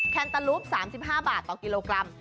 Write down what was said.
แนตาลูป๓๕บาทต่อกิโลกรัม